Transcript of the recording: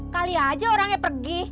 kali aja orangnya pergi